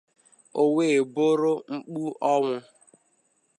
o wee bụrụ mkpu ọnwụ